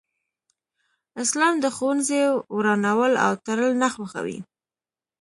اسلام د ښوونځي ورانول او تړل نه خوښوي